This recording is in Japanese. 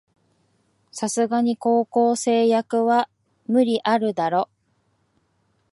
さすがに高校生役は無理あるだろ